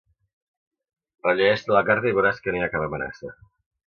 Rellegeix-te la carta i veuràs que no hi ha cap amenaça.